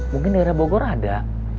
mungkin daerah bogor ada